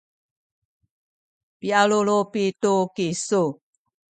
pialulupi tu kisu